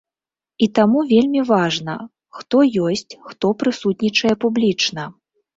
І таму вельмі важна, хто ёсць, хто прысутнічае публічна.